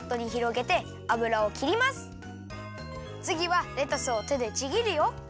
つぎはレタスをてでちぎるよ。